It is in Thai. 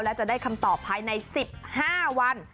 แล้วจะได้คำตอบภายในสิบห้าวัน